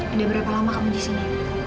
udah berapa lama kamu disini